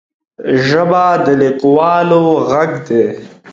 ژبه د لیکوالو غږ دی